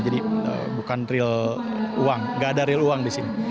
jadi bukan real uang gak ada real uang disini